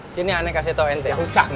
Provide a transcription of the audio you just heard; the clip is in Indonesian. sini aneh kasih tau ente